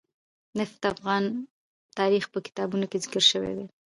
نفت د افغان تاریخ په کتابونو کې ذکر شوی دي.